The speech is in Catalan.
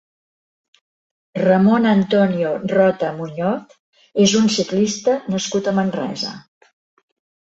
Ramon Antonio Rota Muñoz és un ciclista nascut a Manresa.